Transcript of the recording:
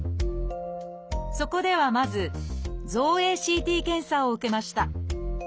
そこではまず造影ＣＴ検査を受けました。